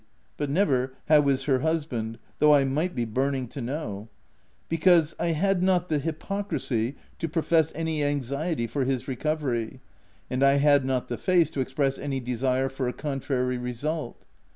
but never "How is her husband?" though I might be burning to know ; because, I had not the hypocrisy to profess any anxiety for his recovery, and I had not the face to ex press any desire for a contrary result.